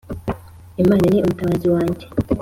Imana ni umutabazi wanjye